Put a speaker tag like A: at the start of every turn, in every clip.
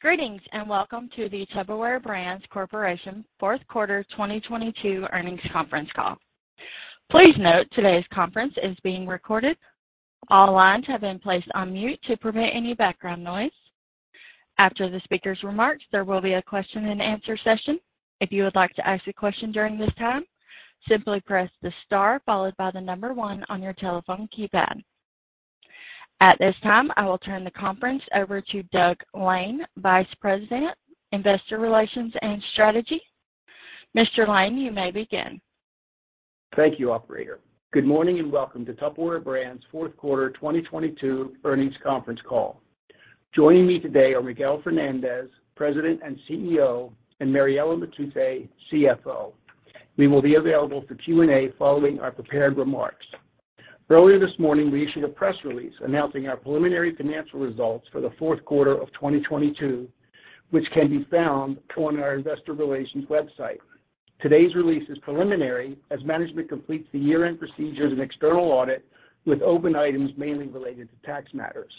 A: Greetings, and welcome to the Tupperware Brands Corporation fourth quarter 2022 earnings conference call. Please note today's conference is being recorded. All lines have been placed on mute to prevent any background noise. After the speaker's remarks, there will be a question-and-answer session. If you would like to ask a question during this time, simply press the star followed by one on your telephone keypad. At this time, I will turn the conference over to Doug Lane, Vice President, Investor Relations and Strategy. Mr. Lane, you may begin.
B: Thank you, operator. Good morning. Welcome to Tupperware Brands fourth quarter 2022 earnings conference call. Joining me today are Miguel Fernandez, President and CEO, and Mariela Matute, CFO. We will be available for Q&A following our prepared remarks. Earlier this morning, we issued a press release announcing our preliminary financial results for the fourth quarter of 2022, which can be found on our investor relations website. Today's release is preliminary as management completes the year-end procedures and external audit with open items mainly related to tax matters.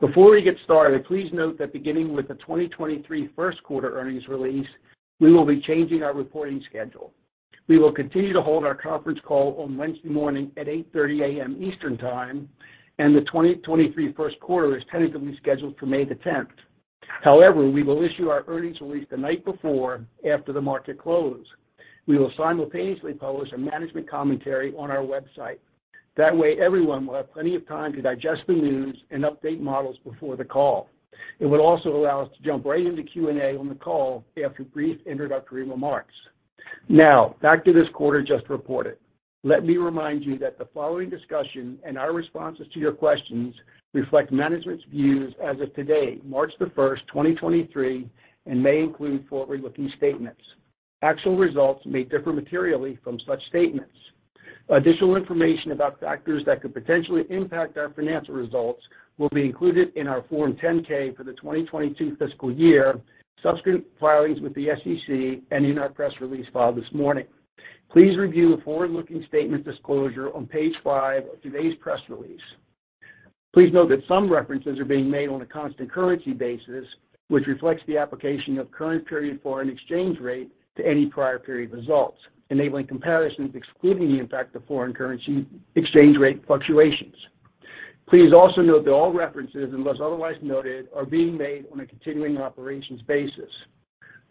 B: Before we get started, please note that beginning with the 2023 first quarter earnings release, we will be changing our reporting schedule. We will continue to hold our conference call on Wednesday morning at 8:30 A.M. Eastern time. The 2023 first quarter is tentatively scheduled for May the tenth. We will issue our earnings release the night before after the market close. We will simultaneously publish a management commentary on our website. That way, everyone will have plenty of time to digest the news and update models before the call. It will also allow us to jump right into Q&A on the call after brief introductory remarks. Back to this quarter just reported. Let me remind you that the following discussion and our responses to your questions reflect management's views as of today, March the first, 2023, and may include forward-looking statements. Actual results may differ materially from such statements. Additional information about factors that could potentially impact our financial results will be included in our Form 10-K for the 2022 fiscal year, subsequent filings with the SEC, and in our press release filed this morning. Please review the forward-looking statement disclosure on page five of today's press release. Please note that some references are being made on a constant currency basis, which reflects the application of current period foreign exchange rate to any prior period results, enabling comparisons excluding the impact of foreign currency exchange rate fluctuations. Please also note that all references, unless otherwise noted, are being made on a continuing operations basis.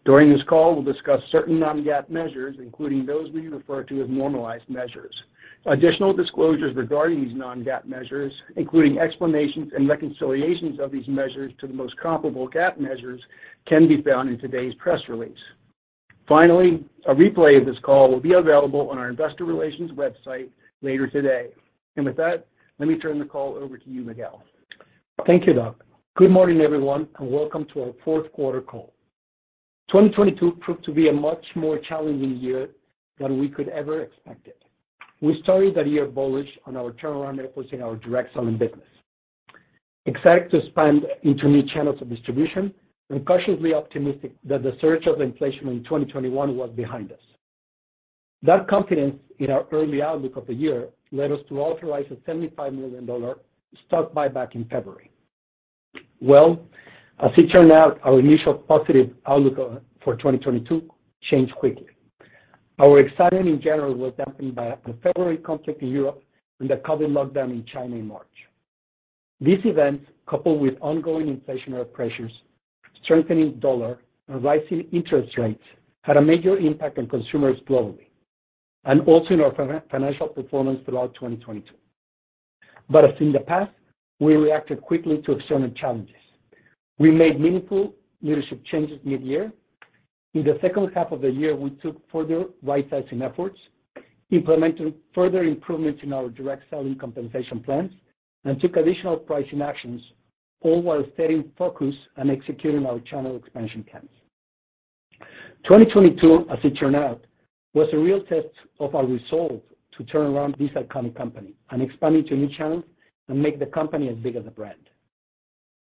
B: During this call, we'll discuss certain non-GAAP measures, including those we refer to as normalized measures. Additional disclosures regarding these non-GAAP measures, including explanations and reconciliations of these measures to the most comparable GAAP measures, can be found in today's press release. Finally, a replay of this call will be available on our investor relations website later today. With that, let me turn the call over to you, Miguel.
C: Thank you, Doug. Good morning, everyone, and welcome to our fourth quarter call. 2022 proved to be a much more challenging year than we could ever expected. We started the year bullish on our turnaround efforts in our direct selling business, excited to expand into new channels of distribution and cautiously optimistic that the surge of inflation in 2021 was behind us. That confidence in our early outlook for 2022 changed quickly. Our excitement in general was dampened by the February conflict in Europe and the COVID lockdown in China in March. These events, coupled with ongoing inflationary pressures, strengthening dollar, and rising interest rates, had a major impact on consumers globally and also in our financial performance throughout 2022. As in the past, we reacted quickly to external challenges. We made meaningful leadership changes mid-year. In the second half of the year, we took further rightsizing efforts, implemented further improvements in our direct selling compensation plans, and took additional pricing actions, all while staying focused and executing our channel expansion plans. 2022, as it turned out, was a real test of our resolve to turn around this iconic company and expand into new channels and make the company as big as the brand.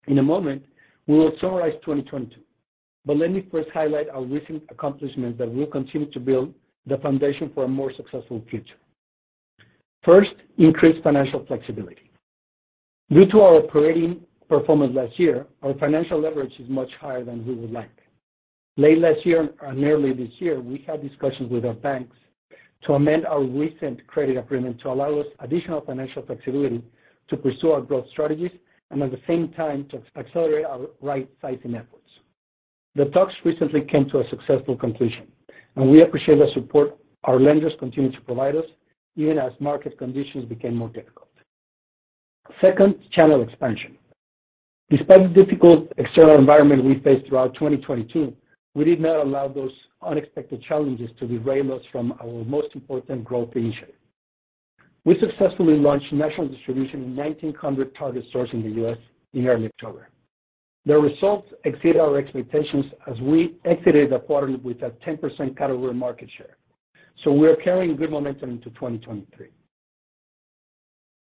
C: In a moment, we will summarize 2022, but let me first highlight our recent accomplishments that will continue to build the foundation for a more successful future. First, increased financial flexibility. Due to our operating performance last year, our financial leverage is much higher than we would like. Late last year and early this year, we had discussions with our banks to amend our recent credit agreement to allow us additional financial flexibility to pursue our growth strategies and at the same time to accelerate our rightsizing efforts. The talks recently came to a successful conclusion, and we appreciate the support our lenders continued to provide us even as market conditions became more difficult. Second, channel expansion. Despite the difficult external environment we faced throughout 2022, we did not allow those unexpected challenges to derail us from our most important growth initiative. We successfully launched national distribution in 1,900 Target stores in the US in early October. The results exceed our expectations as we exited the quarter with a 10% category market share. We're carrying good momentum into 2023.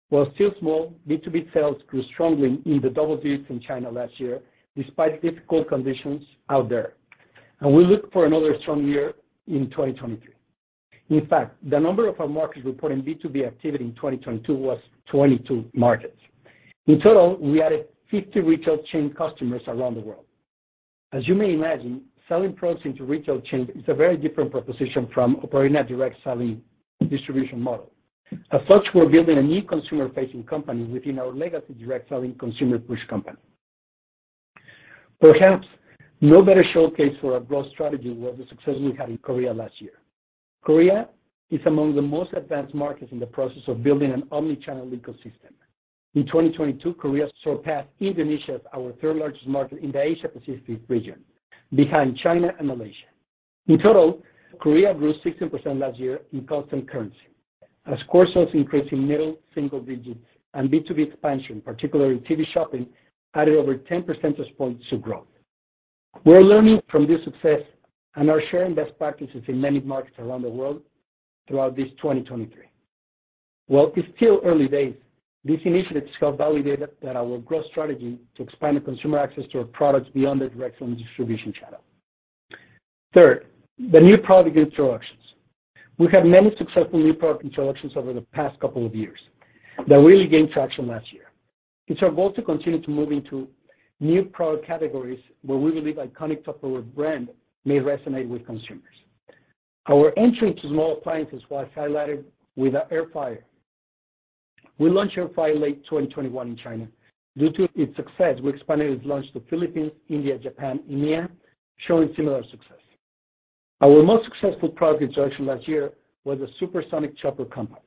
C: While still small, B2B sales grew strongly in the double digits in China last year despite difficult conditions out there, and we look for another strong year in 2023. In fact, the number of our markets reporting B2B activity in 2022 was 22 markets. In total, we added 50 retail chain customers around the world. As you may imagine, selling products into retail chains is a very different proposition from operating a direct selling distribution model. As such, we're building a new consumer-facing company within our legacy direct selling consumer push company. Perhaps no better showcase for our growth strategy was the success we had in Korea last year. Korea is among the most advanced markets in the process of building an omni-channel ecosystem. In 2022, Korea surpassed Indonesia as our third largest market in the Asia-Pacific region, behind China and Malaysia. In total, Korea grew 16% last year in constant currency as core sales increased in middle single digits and B2B expansion, particularly TV shopping, added over 10 percentage points to growth. We're learning from this success and are sharing best practices in many markets around the world throughout this 2023. While it's still early days, these initiatives have validated that our growth strategy to expand the consumer access to our products beyond the direct selling distribution channel. Third, the new product introductions. We had many successful new product introductions over the past couple of years that really gained traction last year. It's our goal to continue to move into new product categories where we believe iconic Tupperware brand may resonate with consumers. Our entry into small appliances was highlighted with our Air Fryer. We launched Air Fryer late 2021 in China. Due to its success, we expanded its launch to Philippines, India, Japan, EMEA, showing similar success. Our most successful product introduction last year was a SuperSonic Chopper Compact,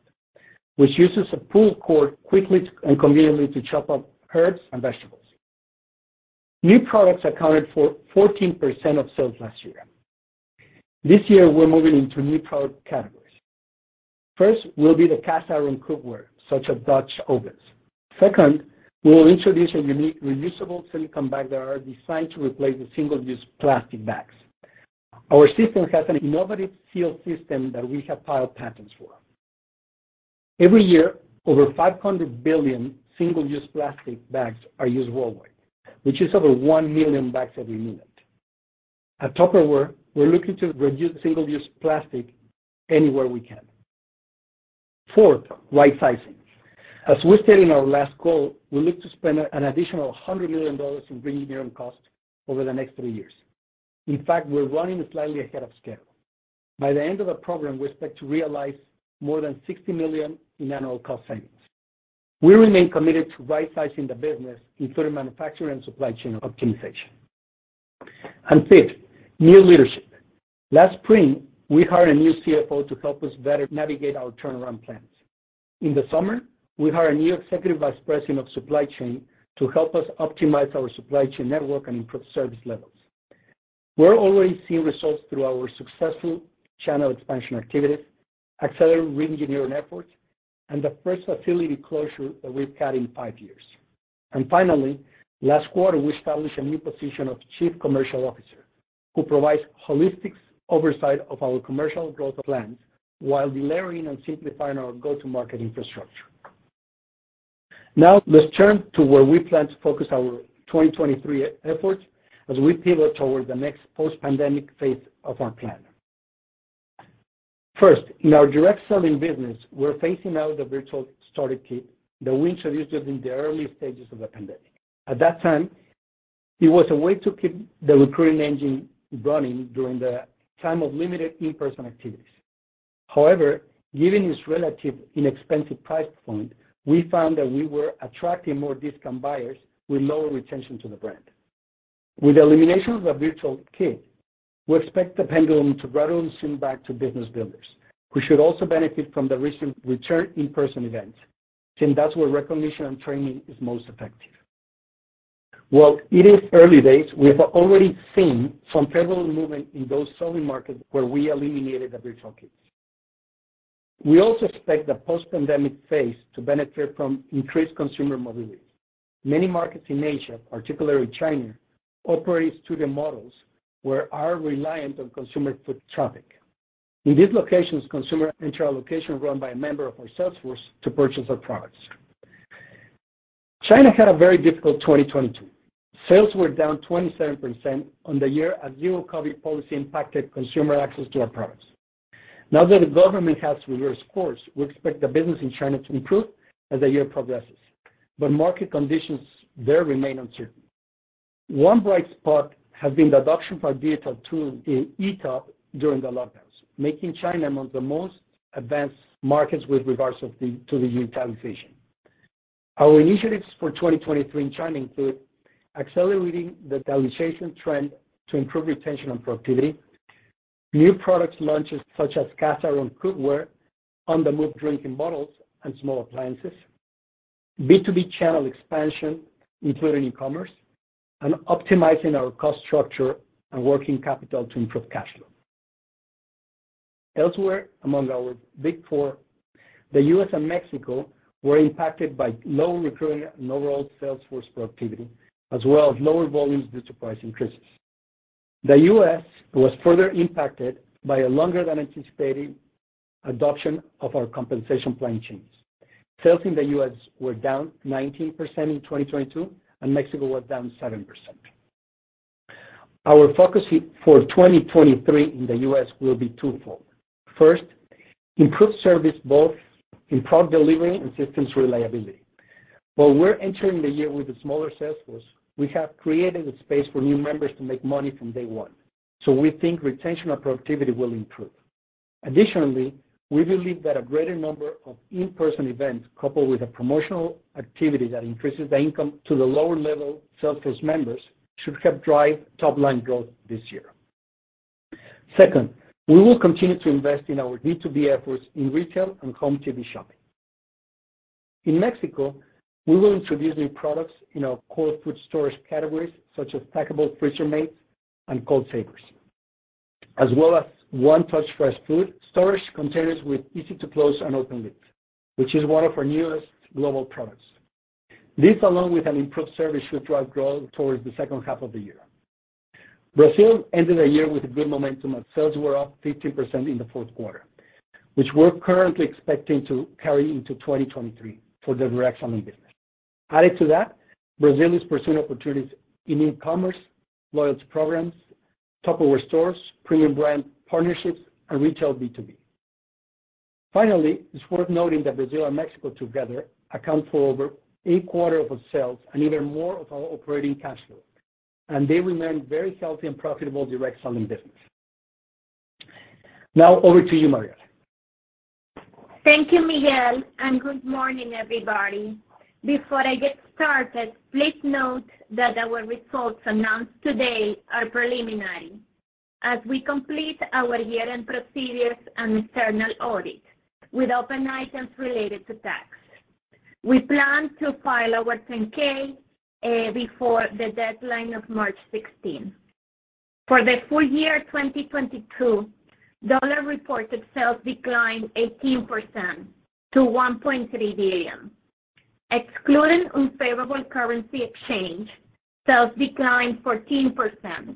C: which uses a pull cord quickly and conveniently to chop up herbs and vegetables. New products accounted for 14% of sales last year. This year, we're moving into new product categories. First will be the cast iron cookware such as Dutch ovens. Second, we will introduce our unique reusable silicone bags that are designed to replace the single-use plastic bags. Our system has an innovative seal system that we have filed patents for. Every year, over 500 billion single-use plastic bags are used worldwide, which is over 1 million bags every minute. At Tupperware, we're looking to reduce single-use plastic anywhere we can. Fourth, rightsizing. As we stated in our last call, we look to spend an additional $100 million in reengineering costs over the next three years. In fact, we're running slightly ahead of schedule. By the end of the program, we expect to realize more than $60 million in annual cost savings. We remain committed to rightsizing the business, including manufacturing and supply chain optimization. Fifth, new leadership. Last spring, we hired a new CFO to help us better navigate our turnaround plans. In the summer, we hired a new Executive Vice President of Supply Chain to help us optimize our supply chain network and improve service levels. We're already seeing results through our successful channel expansion activities, accelerated reengineering efforts, and the first facility closure that we've had in five years. Finally, last quarter, we established a new position of Chief Commercial Officer, who provides holistic oversight of our commercial growth plans while delivering and simplifying our go-to-market infrastructure. Let's turn to where we plan to focus our 2023 efforts as we pivot toward the next post-pandemic phase of our plan. First, in our direct selling business, we're phasing out the virtual starter kit that we introduced during the early stages of the pandemic. At that time, it was a way to keep the recruiting engine running during the time of limited in-person activities. However, given its relative inexpensive price point, we found that we were attracting more discount buyers with lower retention to the brand. With the elimination of the virtual kit, we expect the pendulum to gradually swing back to business builders. We should also benefit from the recent return to in-person events, since that's where recognition and training is most effective. While it is early days, we have already seen some favorable movement in those selling markets where we eliminated the virtual kits. We also expect the post-pandemic phase to benefit from increased consumer mobility. Many markets in Asia, particularly China, operate student models where are reliant on consumer foot traffic. In these locations, consumers enter a location run by a member of our sales force to purchase our products. China had a very difficult 2022. Sales were down 27% on the year as new COVID policy impacted consumer access to our products. Now that the government has reversed course, we expect the business in China to improve as the year progresses, but market conditions there remain uncertain. One bright spot has been the adoption of our digital tool in ETOP during the lockdowns, making China among the most advanced markets with regards to the utilization. Our initiatives for 2023 in China include accelerating the digitization trend to improve retention and productivity, new product launches such as cast iron cookware, on-the-move drinking bottles, and small appliances, B2B channel expansion, including e-commerce, and optimizing our cost structure and working capital to improve cash flow. Elsewhere, among our Big Four, the US and Mexico were impacted by low recruiting and overall sales force productivity, as well as lower volumes due to price increases. The US was further impacted by a longer than anticipated adoption of our compensation plan changes. Sales in the US were down 19% in 2022, and Mexico was down 7%. Our focus for 2023 in the US will be twofold. First, improve service both in product delivery and systems reliability. While we're entering the year with a smaller sales force, we have created a space for new members to make money from day one. We think retention and productivity will improve. Additionally, we believe that a greater number of in-person events, coupled with a promotional activity that increases the income to the lower level sales force members, should help drive top-line growth this year. Second, we will continue to invest in our B2B efforts in retail and home TV shopping. In Mexico, we will introduce new products in our cold food storage categories such as packable Freezer Mates and cold savers, as well as One Touch Fresh food storage containers with easy-to-close and open lids, which is one of our newest global products. This, along with an improved service, should drive growth towards the second half of the year. Brazil ended the year with a good momentum as sales were up 15% in the fourth quarter, which we're currently expecting to carry into 2023 for the direct selling business. Added to that, Brazil is pursuing opportunities in e-commerce, loyalty programs, Tupperware stores, premium brand partnerships, and retail B2B. It's worth noting that Brazil and Mexico together account for over a quarter of our sales and even more of our operating cash flow, and they remain very healthy and profitable direct selling business. Over to you, Mariela.
D: Thank you, Miguel. Good morning, everybody. Before I get started, please note that our results announced today are preliminary as we complete our year-end procedures and external audit with open items related to tax. We plan to file our 10-K before the deadline of March 16th. For the full year 2022, $ reported sales declined 18% to $1.3 billion. Excluding unfavorable currency exchange, sales declined 14%.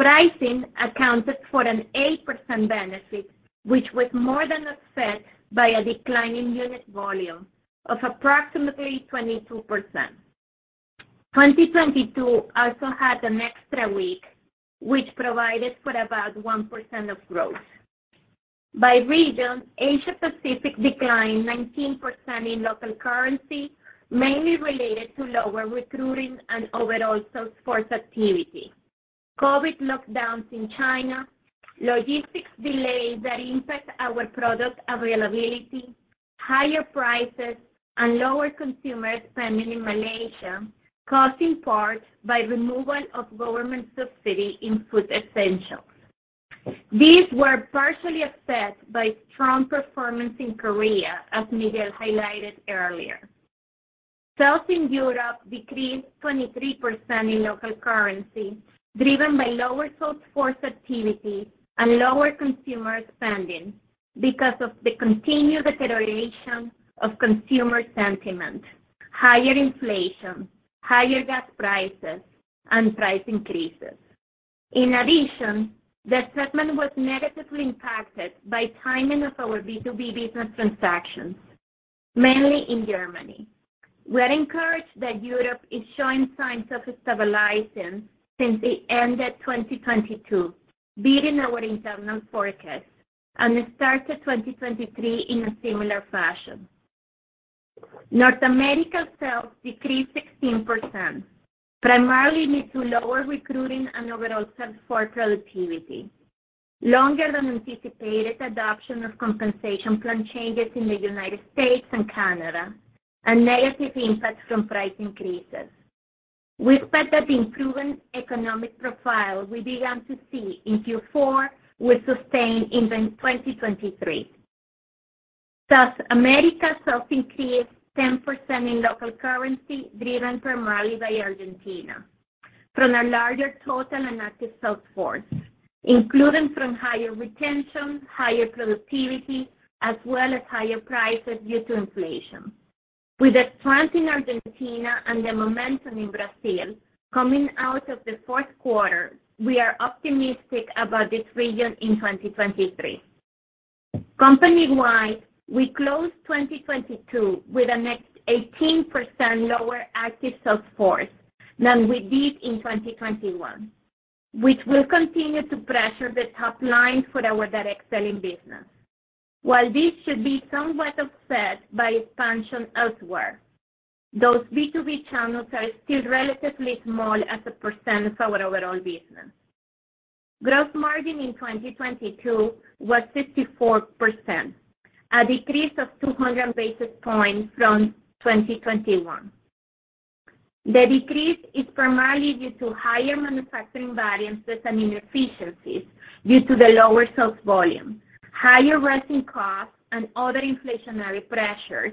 D: Pricing accounted for an 8% benefit which was more than offset by a decline in unit volume of approximately 22%. 2022 also had an extra week which provided for about 1% of growth. By region, Asia Pacific declined 19% in local currency, mainly related to lower recruiting and overall sales force activity, COVID lockdowns in China, logistics delays that impact our product availability, higher prices, and lower consumer spending in Malaysia, caused in part by removal of government subsidy in food essentials. These were partially offset by strong performance in Korea, as Miguel highlighted earlier. Sales in Europe decreased 23% in local currency, driven by lower sales force activity and lower consumer spending because of the continued deterioration of consumer sentiment, higher inflation, higher gas prices, and price increases. In addition, the segment was negatively impacted by timing of our B2B business transactions, mainly in Germany. We're encouraged that Europe is showing signs of stabilization since the end of 2022, beating our internal forecast and started 2023 in a similar fashion. North America sales decreased 16%, primarily due to lower recruiting and overall sales force productivity, longer than anticipated adoption of compensation plan changes in the United States and Canada, and negative impact from price increases. We expect that the improving economic profile we began to see in Q4 will sustain into 2023. South America sales increased 10% in local currency, driven primarily by Argentina from a larger total and active sales force, including from higher retention, higher productivity as well as higher prices due to inflation. With the strength in Argentina and the momentum in Brazil coming out of the fourth quarter, we are optimistic about this region in 2023. Company-wide, we closed 2022 with a net 18% lower active sales force than we did in 2021, which will continue to pressure the top line for our direct selling business. While this should be somewhat offset by expansion elsewhere, those B2B channels are still relatively small as a percent of our overall business. Gross margin in 2022 was 54%, a decrease of 200 basis points from 2021. The decrease is primarily due to higher manufacturing variance and inefficiencies due to the lower sales volume, higher renting costs, and other inflationary pressures,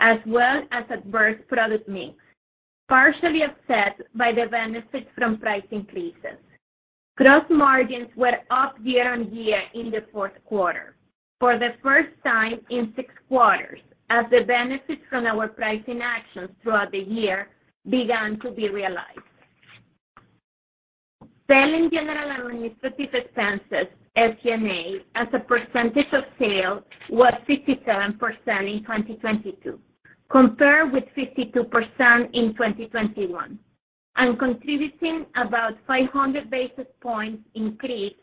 D: as well as adverse product mix, partially offset by the benefits from price increases. Gross margins were up year-over-year in the fourth quarter for the first time in six quarters as the benefits from our pricing actions throughout the year began to be realized. Selling, general, and administrative expenses, SG&A, as a percentage of sale was 57% in 2022. Compared with 52% in 2021. Contributing about 500 basis points increase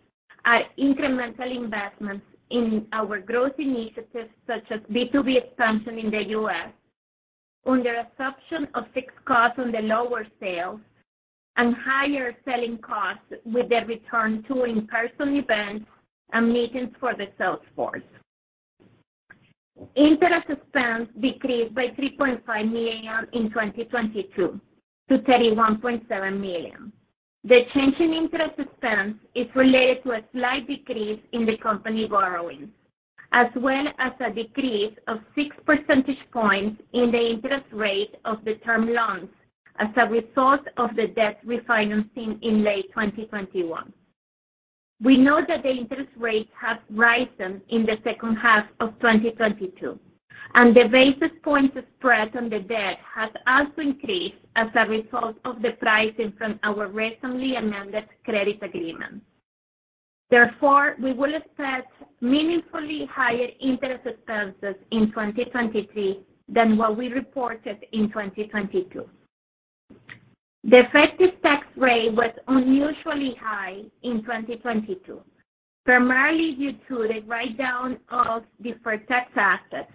D: are incremental investments in our growth initiatives such as B2B expansion in the US, under assumption of fixed costs on the lower sales and higher selling costs with the return to in-person events and meetings for the sales force. Interest expense decreased by $3.5 million in 2022 to $31.7 million. The change in interest expense is related to a slight decrease in the company borrowing, as well as a decrease of six percentage points in the interest rate of the term loans as a result of the debt refinancing in May 2021. We know that the interest rate has risen in the second half of 2022, and the basis point spread on the debt has also increased as a result of the pricing from our recently amended credit agreement. We will expect meaningfully higher interest expenses in 2023 than what we reported in 2022. The effective tax rate was unusually high in 2022, primarily due to the write-down of deferred tax assets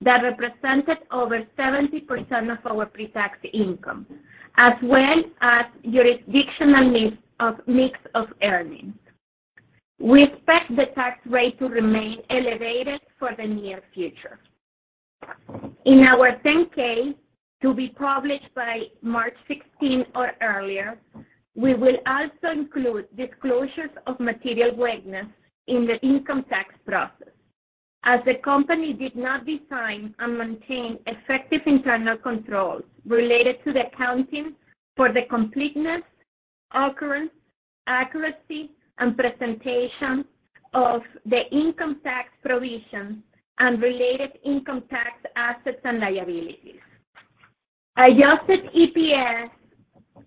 D: that represented over 70% of our pre-tax income, as well as jurisdictional mix of earnings. We expect the tax rate to remain elevated for the near future. In our 10-K, to be published by March 16th or earlier, we will also include disclosures of material weakness in the income tax process. The company did not design and maintain effective internal controls related to the accounting for the completeness, occurrence, accuracy and presentation of the income tax provisions and related income tax assets and liabilities. Adjusted EPS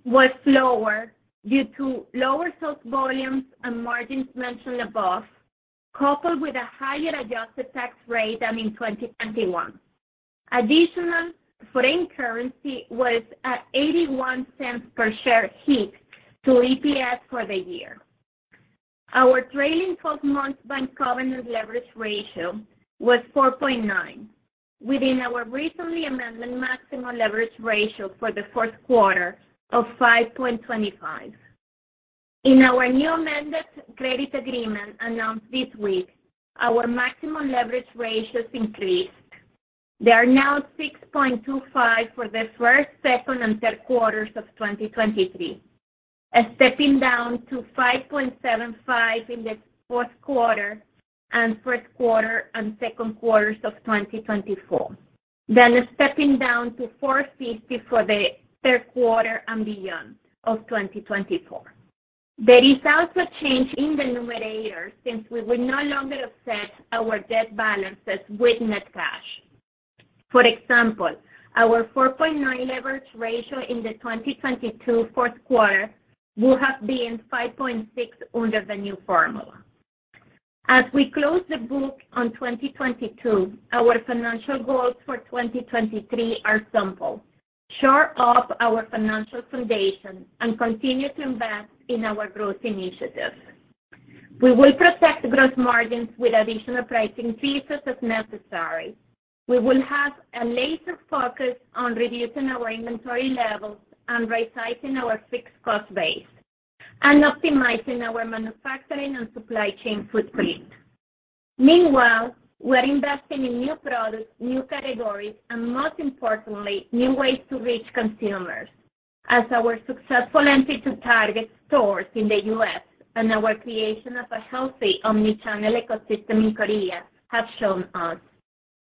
D: was lower due to lower sales volumes and margins mentioned above, coupled with a higher adjusted tax rate than in 2021. Additional foreign currency was at $0.81 per share hit to EPS for the year. Our trailing 12-month bank covenant leverage ratio was 4.9, within our recently amendment maximum leverage ratio for the first quarter of 5.25. Our new amended credit agreement announced this week, our maximum leverage ratios increased. They are now 6.25 for the first, second and third quarters of 2023, stepping down to 5.75 in the fourth quarter and first quarter and second quarters of 2024. Stepping down to 4.50 for the third quarter and beyond of 2024. There is also a change in the numerator since we will no longer offset our debt balances with net cash. For example, our 4.9 leverage ratio in the 2022 fourth quarter would have been 5.6 under the new formula. As we close the book on 2022, our financial goals for 2023 are simple. Shore up our financial foundation and continue to invest in our growth initiatives. We will protect gross margins with additional pricing pieces as necessary. We will have a laser focus on reducing our inventory levels and rightsizing our fixed cost base and optimizing our manufacturing and supply chain footprint. Meanwhile, we're investing in new products, new categories, and most importantly, new ways to reach consumers. As our successful entry to Target stores in the U.S. and our creation of a healthy omni-channel ecosystem in Korea have shown us,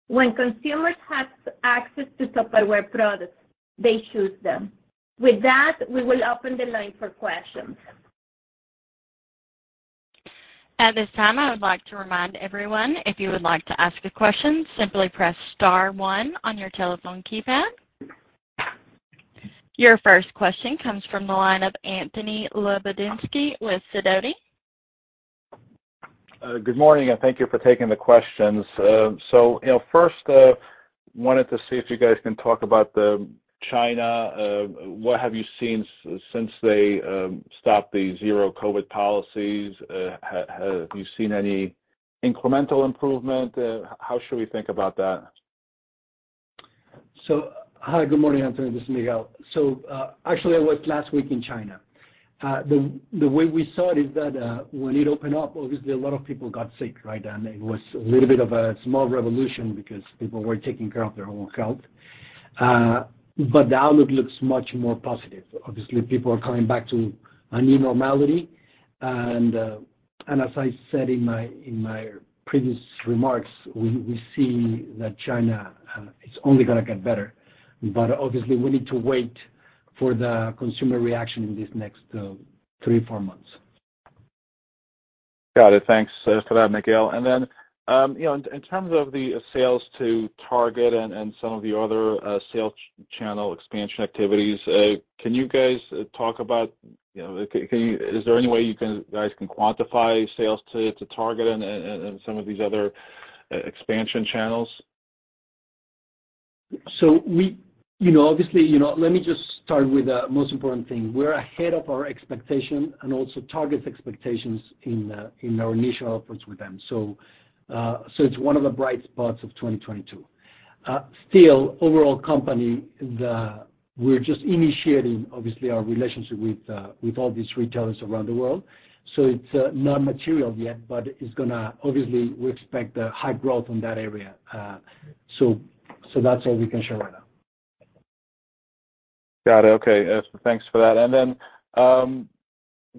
D: when consumers have access to Tupperware products, they choose them. With that, we will open the line for questions.
A: At this time, I would like to remind everyone, if you would like to ask a question, simply press star one on your telephone keypad. Your first question comes from the line of Anthony Lebiedzinski with Sidoti.
E: Good morning, thank you for taking the questions. You know, first, wanted to see if you guys can talk about the China. What have you seen since they stopped the zero COVID policies? Have you seen any incremental improvement? How should we think about that?
C: Hi, good morning, Anthony. This is Miguel. Actually, I was last week in China. The way we saw it is that, when it opened up, obviously a lot of people got sick, right? It was a little bit of a small revolution because people were taking care of their own health. The outlook looks much more positive. Obviously, people are coming back to a new normality. As I said in my previous remarks, we see that China is only gonna get better. Obviously, we need to wait for the consumer reaction in these next three to four months.
E: Got it. Thanks for that, Miguel. You know, in terms of the sales to Target and some of the other sales channel expansion activities, can you guys talk about, you know, is there any way you guys can quantify sales to Target and some of these other expansion channels?
C: We, you know, obviously, you know, let me just start with the most important thing. We're ahead of our expectation and also Target's expectations in our initial efforts with them. It's one of the bright spots of 2022. Still, overall company, we're just initiating obviously our relationship with all these retailers around the world, so it's not material yet, but it's gonna. Obviously, we expect a high growth in that area. That's all we can share right now.
E: Got it. Okay. Thanks for that.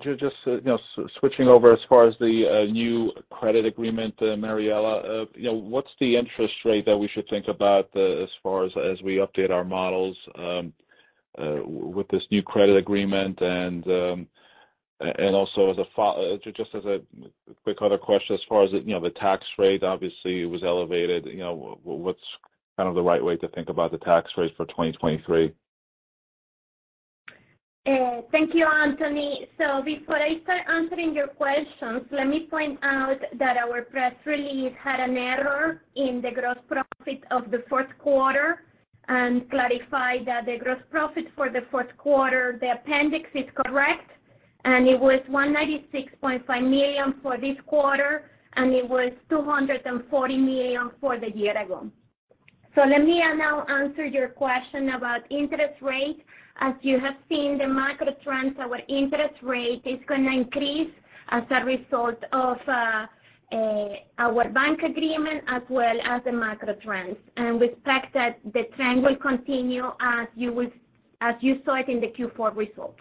E: Just, you know, switching over as far as the new credit agreement, Mariela, you know, what's the interest rate that we should think about as far as as we update our models with this new credit agreement? Also as a just as a quick other question, as far as the, you know, the tax rate obviously was elevated, you know, what's kind of the right way to think about the tax rate for 2023?
D: Thank you, Anthony. Before I start answering your questions, let me point out that our press release had an error in the gross profit of the fourth quarter and clarify that the gross profit for the fourth quarter, the appendix is correct, and it was $196.5 million for this quarter, and it was $240 million for the year ago. Let me now answer your question about interest rate. As you have seen the macro trends, our interest rate is gonna increase as a result of our bank agreement as well as the macro trends. We expect that the trend will continue as you saw it in the Q4 results.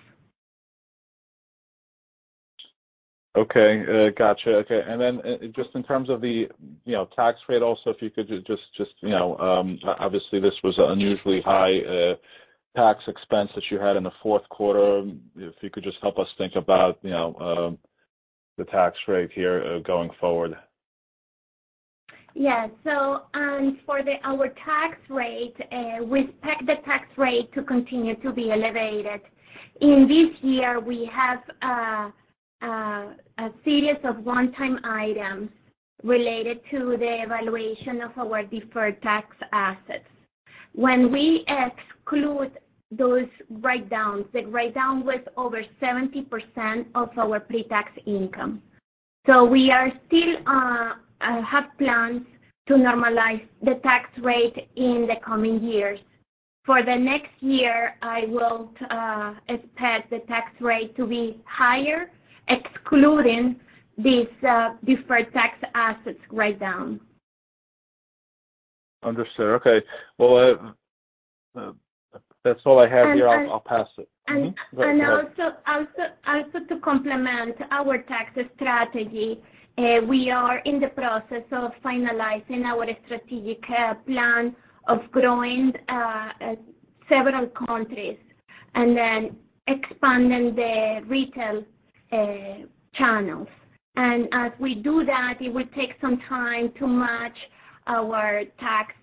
E: Okay. gotcha. Okay. Just in terms of the, you know, tax rate also, if you could just, you know, obviously, this was unusually high, tax expense that you had in the fourth quarter. If you could just help us think about, you know, the tax rate here, going forward.
D: Our tax rate, we expect the tax rate to continue to be elevated. In this year, we have a series of one-time items related to the evaluation of our deferred tax assets. When we exclude those write-downs, the write-down was over 70% of our pre-tax income. We are still have plans to normalize the tax rate in the coming years. For the next year, I will expect the tax rate to be higher, excluding these deferred tax assets write-down.
E: Understood. Okay. Well, that's all I have here. I'll pass it. Mm-hmm. Go ahead.
D: Also to complement our tax strategy, we are in the process of finalizing our strategic plan of growing several countries and then expanding the retail channels. As we do that, it will take some time to match our tax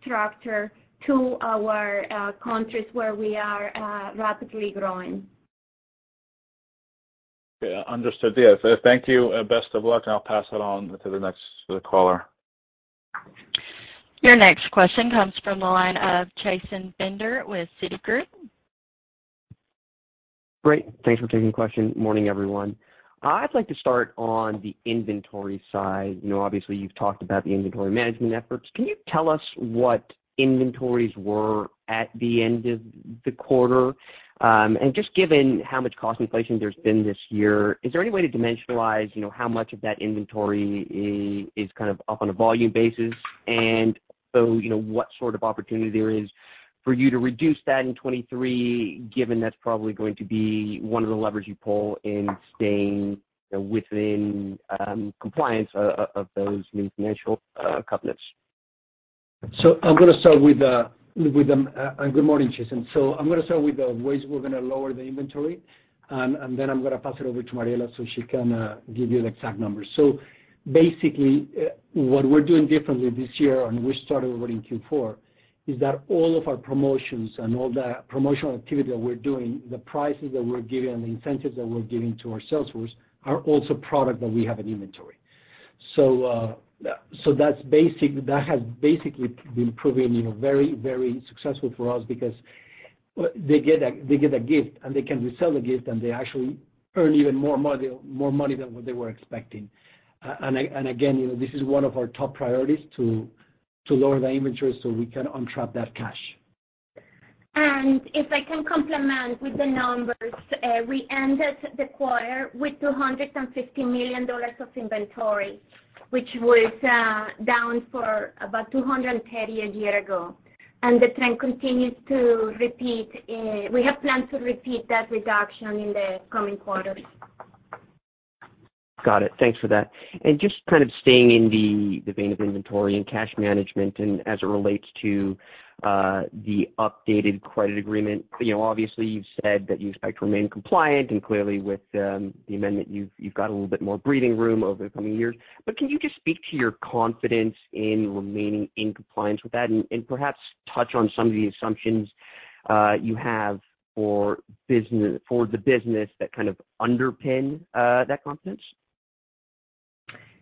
D: structure to our countries where we are rapidly growing.
E: Okay. Understood. Yeah. Thank you, best of luck, and I'll pass it on to the next caller.
A: Your next question comes from the line of Chasen Bender with Citigroup.
F: Great. Thanks for taking the question. Morning, everyone. I'd like to start on the inventory side. You know, obviously, you've talked about the inventory management efforts. Can you tell us what inventories were at the end of the quarter? And just given how much cost inflation there's been this year, is there any way to dimensionalize, you know, how much of that inventory is kind of up on a volume basis? You know, what sort of opportunity there is for you to reduce that in 2023, given that's probably going to be one of the levers you pull in staying, you know, within, compliance of those new financial, covenants.
C: Good morning, Chasen. I'm gonna start with the ways we're gonna lower the inventory, and then I'm gonna pass it over to Mariela, so she can give you the exact numbers. Basically, what we're doing differently this year, and we started already in Q4, is that all of our promotions and all the promotional activity that we're doing, the prices that we're giving and the incentives that we're giving to our sales force are also product that we have in inventory. That has basically been proving, you know, very, very successful for us because they get a gift, and they can resell the gift, and they actually earn even more money than what they were expecting. Again, you know, this is one of our top priorities to lower the inventory so we can untrap that cash.
D: If I can complement with the numbers, we ended the quarter with $250 million of inventory, which was down for about $230 million a year ago. The trend continues to repeat. We have plans to repeat that reduction in the coming quarters.
F: Got it. Thanks for that. Just kind of staying in the vein of inventory and cash management and as it relates to the updated credit agreement. You know, obviously, you've said that you expect to remain compliant, and clearly with the amendment, you've got a little bit more breathing room over the coming years. Can you just speak to your confidence in remaining in compliance with that and perhaps touch on some of the assumptions you have for the business that kind of underpin that confidence?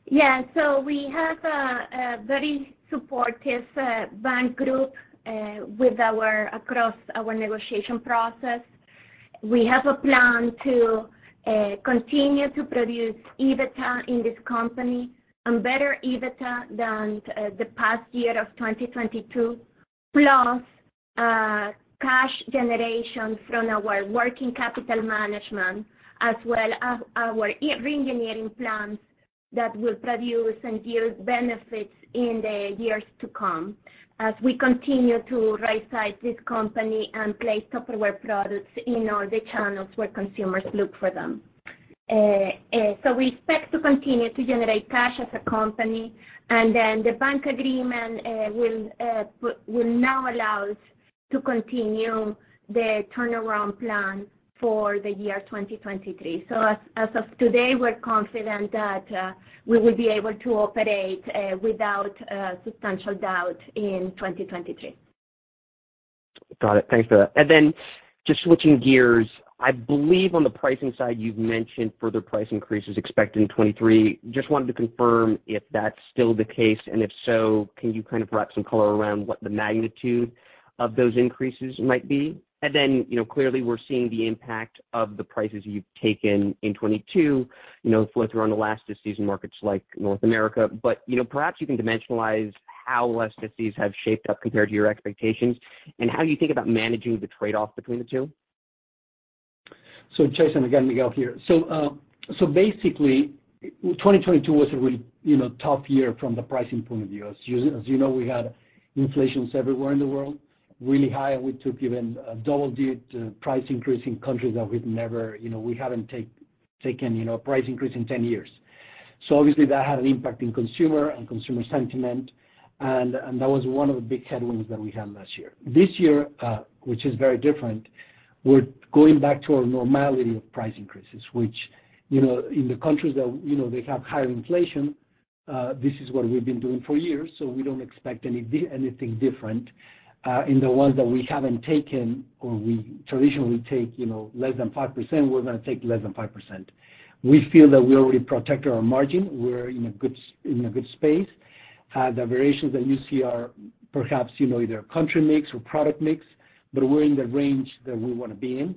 D: We have a very supportive bank group across our negotiation process. We have a plan to continue to produce EBITDA in this company and better EBITDA than the past year of 2022, plus cash generation from our working capital management, as well as our reengineering plans that will produce and yield benefits in the years to come as we continue to rightsize this company and place Tupperware products in all the channels where consumers look for them. We expect to continue to generate cash as a company, and the bank agreement will now allow us to continue the turnaround plan for the year 2023. As of today, we're confident that we will be able to operate without substantial doubt in 2023.
F: Got it. Thanks for that. Just switching gears, I believe on the pricing side, you've mentioned further price increases expected in 2023. Just wanted to confirm if that's still the case, and if so, can you kind of wrap some color around what the magnitude of those increases might be? Clearly we're seeing the impact of the prices you've taken in 2022, you know, flow through on elastic season markets like North America. Perhaps you can dimensionalize how elasticities have shaped up compared to your expectations and how you think about managing the trade-off between the two.
C: Chasen, again, Miguel here. Basically, 2022 was a really, you know, tough year from the pricing point of view. As you, as you know, we had inflations everywhere in the world, really high, and we took even a double-digit price increase in countries that we've never, you know, we haven't taken, you know, a price increase in 10 years. Obviously that had an impact in consumer and consumer sentiment and that was one of the big headwinds that we had last year. This year, which is very different, we're going back to our normality of price increases, which, you know, in the countries that, you know, they have higher inflation, this is what we've been doing for years, we don't expect anything different. In the ones that we haven't taken or we traditionally take, you know, less than 5%, we're gonna take less than 5%. We feel that we already protected our margin. We're in a good in a good space. The variations that you see are perhaps, you know, either country mix or product mix, but we're in the range that we wanna be in.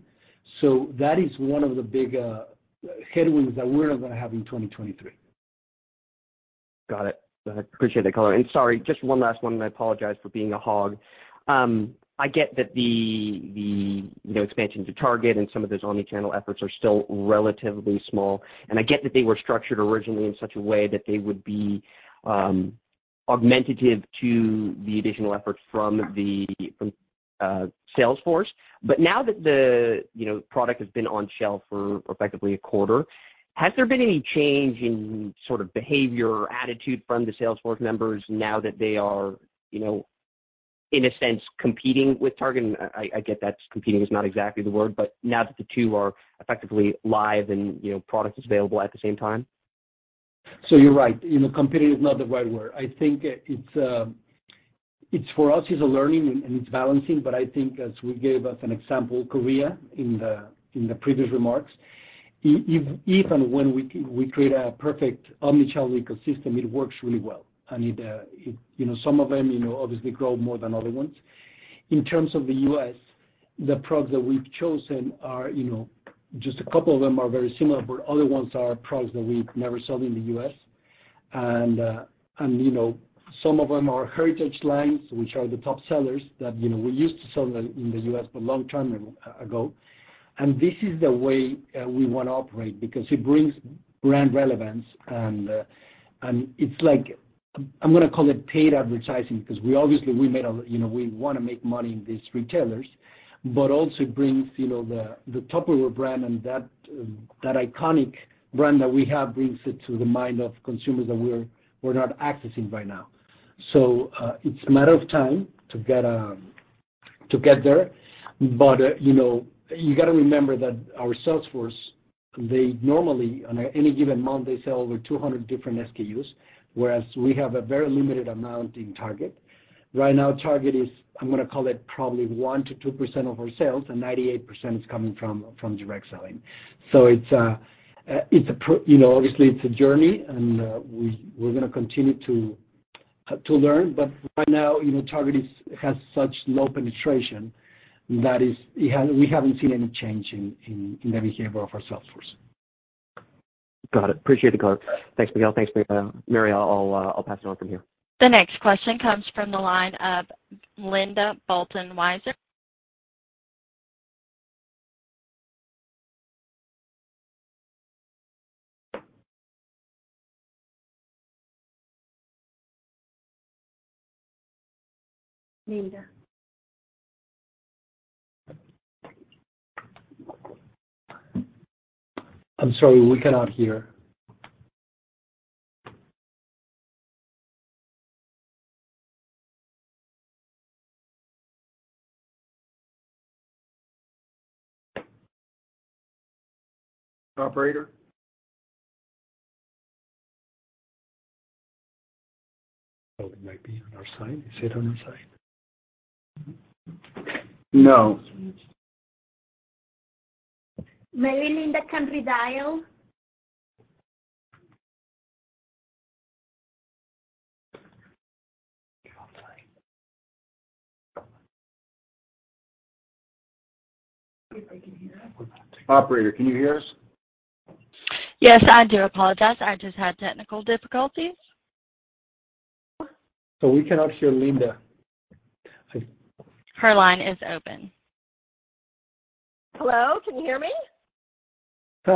C: That is one of the big headwinds that we're not gonna have in 2023.
F: Got it. Appreciate that color. Sorry, just one last one, and I apologize for being a hog. I get that the, you know, expansion to Target and some of those omni-channel efforts are still relatively small, and I get that they were structured originally in such a way that they would be augmentative to the additional efforts from the sales force. Now that the, you know, product has been on shelf for effectively a quarter, has there been any change in sort of behavior or attitude from the sales force members now that they are, you know, in a sense competing with Target? I get that competing is not exactly the word, but now that the two are effectively live and, you know, product is available at the same time.
C: You're right. You know, competing is not the right word. I think it's for us is a learning and it's balancing, but I think as we gave as an example, Korea, in the previous remarks, even when we create a perfect omnichannel ecosystem, it works really well. It. You know, some of them, you know, obviously grow more than other ones. In terms of the US, the products that we've chosen are, you know, just a couple of them are very similar, but other ones are products that we've never sold in the US. You know, some of them are heritage lines, which are the top sellers that, you know, we used to sell them in the US for long term ago. This is the way we wanna operate because it brings brand relevance and it's like, I'm gonna call it paid advertising 'cause we obviously. You know, we wanna make money in these retailers, but also brings, you know, the Tupperware brand and that iconic brand that we have brings it to the mind of consumers that we're not accessing right now. It's a matter of time to get to get there. You know, you gotta remember that our sales force, they normally, on any given month, they sell over 200 different SKUs, whereas we have a very limited amount in Target. Right now, Target is, I'm gonna call it probably 1%-2% of our sales, and 98% is coming from direct selling. It's you know, obviously it's a journey and we're gonna continue to learn. Right now, you know, Target has such low penetration that is. We haven't seen any change in the behavior of our sales force.
F: Got it. Appreciate the color. Thanks, Miguel. Thanks, Mariela. I'll pass it on from here.
A: The next question comes from the line of Linda Bolton Weiser. Linda.
C: I'm sorry, we cannot hear. Operator? Oh, it might be on our side. Is it on our side?
B: No.
D: Mariela, can we redial?
C: Operator, can you hear us?
A: Yes, I do apologize. I just had technical difficulties.
C: We cannot hear Linda.
A: Her line is open.
G: Hello, can you hear me?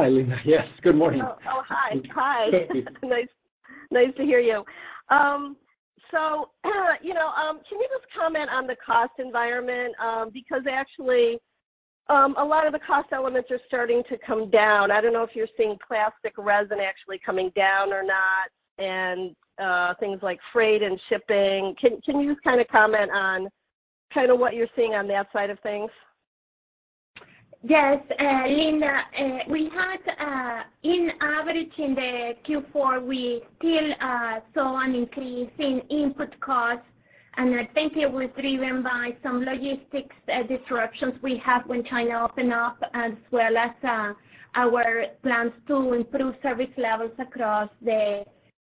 C: Hi, Linda. Yes, good morning.
G: Oh, hi. Nice to hear you. You know, can you just comment on the cost environment? Because actually, a lot of the cost elements are starting to come down. I don't know if you're seeing plastic resin actually coming down or not, and things like freight and shipping. Can you just kinda comment on kinda what you're seeing on that side of things?
D: Yes, Linda, we had in average in the Q4, we still saw an increase in input costs, and I think it was driven by some logistics disruptions we have when China opened up, as well as our plans to improve service levels across the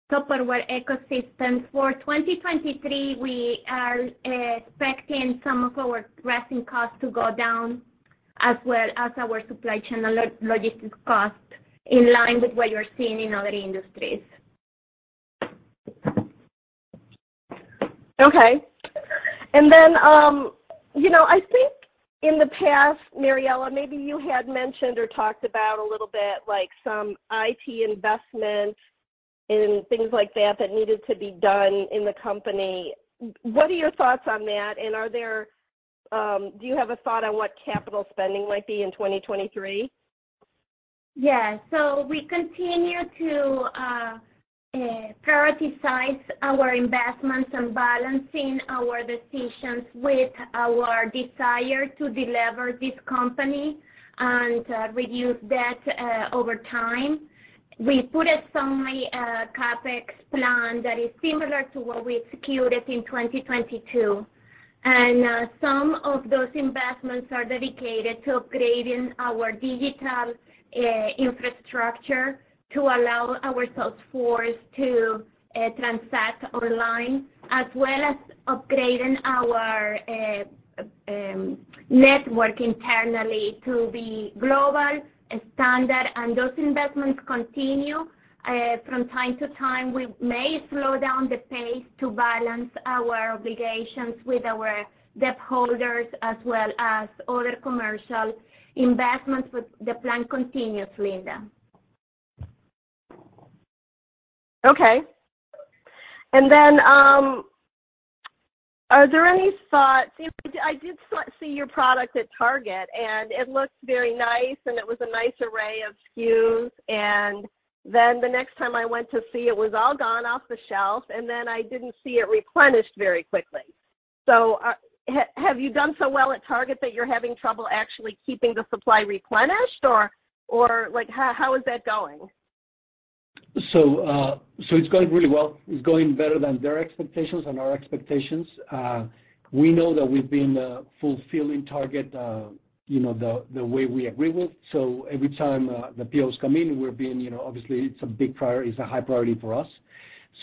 D: Tupperware ecosystem. For 2023, we are expecting some of our pressing costs to go down, as well as our supply chain and logistics costs in line with what you're seeing in other industries.
G: Okay. You know, I think in the past, Mariela, maybe you had mentioned or talked about a little bit like some IT investment and things like that that needed to be done in the company. What are your thoughts on that? Are there, do you have a thought on what capital spending might be in 2023?
D: We continue to prioritize our investments and balancing our decisions with our desire to delever this company and reduce debt over time. We put a summary CapEx plan that is similar to what we executed in 2022. Some of those investments are dedicated to upgrading our digital infrastructure to allow our sales force to transact online, as well as upgrading our network internally to be global standard. Those investments continue from time to time. We may slow down the pace to balance our obligations with our debtholders as well as other commercial investments, but the plan continues, Linda.
G: Okay. Are there any thoughts, I did see your product at Target, and it looked very nice, and it was a nice array of SKUs. The next time I went to see, it was all gone off the shelf, and I didn't see it replenished very quickly. Have you done so well at Target that you're having trouble actually keeping the supply replenished or like how is that going?
C: It's going really well. It's going better than their expectations and our expectations. We know that we've been fulfilling Target, you know, the way we agree with. Every time the POs come in, we're being, you know, obviously it's a big priority. It's a high priority for us.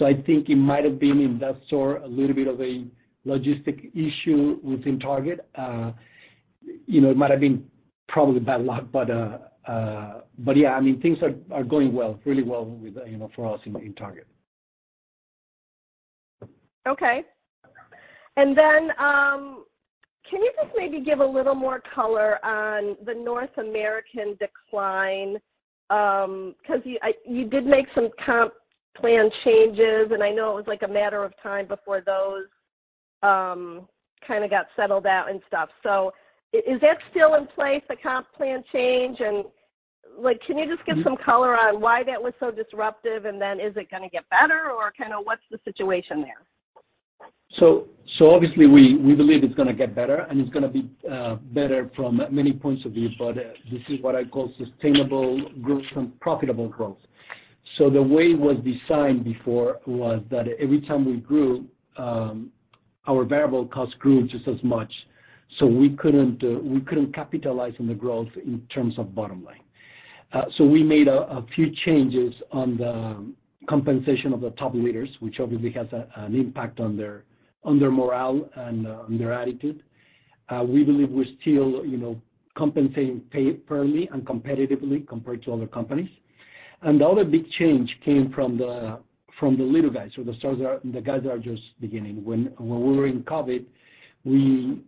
C: I think it might have been in that store a little bit of a logistic issue within Target. You know, it might have been probably bad luck. Yeah, I mean, things are going well, really well with, you know, for us in Target.
G: Okay. Can you just maybe give a little more color on the North American decline? 'Cause you did make some comp plan changes, and I know it was like a matter of time before those kinda got settled out and stuff. Is that still in place, the comp plan change? Like, can you just give some color on why that was so disruptive? Is it gonna get better, or kinda what's the situation there?
C: Obviously we believe it's gonna get better, and it's gonna be better from many points of view, but this is what I call sustainable growth from profitable growth. The way it was designed before was that every time we grew, our variable costs grew just as much, so we couldn't capitalize on the growth in terms of bottom line. We made a few changes on the compensation of the top leaders, which obviously has an impact on their morale and on their attitude. We believe we're still, you know, compensating pay fairly and competitively compared to other companies. The other big change came from the little guys or the guys that are just beginning. When we were in COVID, we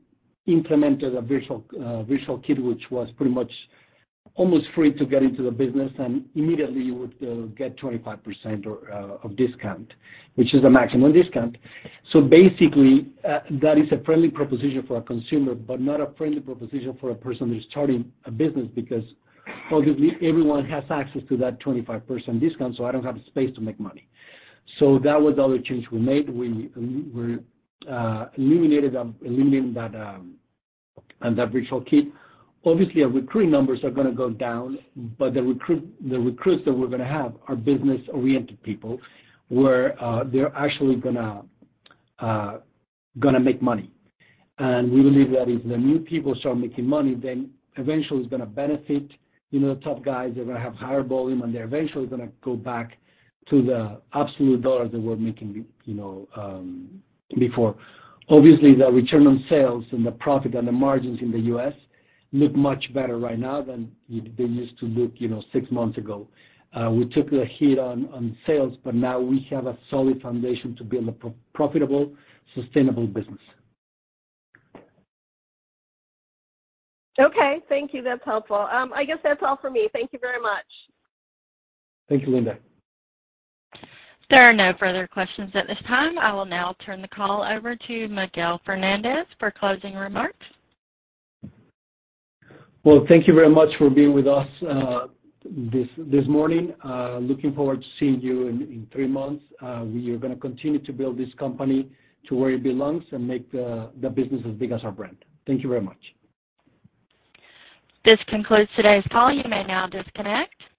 C: implemented a virtual kit, which was pretty much almost free to get into the business, and immediately you would get 25% of discount, which is the maximum discount. Basically, that is a friendly proposition for a consumer, but not a friendly proposition for a person who's starting a business because obviously everyone has access to that 25% discount, so I don't have the space to make money. That was the other change we made. We eliminated that virtual kit. Obviously, our recruiting numbers are gonna go down, but the recruits that we're gonna have are business-oriented people, where they're actually gonna make money. We believe that if the new people start making money, then eventually it's gonna benefit, you know, the top guys. They're gonna have higher volume, and they're eventually gonna go back to the absolute dollars they were making, you know, before. The return on sales and the profit and the margins in the U.S. look much better right now than they used to look, you know, six months ago. We took a hit on sales, but now we have a solid foundation to build a profitable, sustainable business.
G: Thank you. That's helpful. I guess that's all for me. Thank you very much.
C: Thank you, Linda.
A: There are no further questions at this time. I will now turn the call over to Miguel Fernandez for closing remarks.
C: Well, thank you very much for being with us, this morning. Looking forward to seeing you in three months. We are gonna continue to build this company to where it belongs and make the business as big as our brand. Thank you very much.
A: This concludes today's call. You may now disconnect.